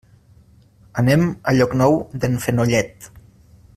Anem a Llocnou d'en Fenollet.